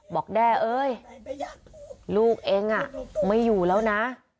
แด้เอ้ยลูกเองไม่อยู่แล้วนะ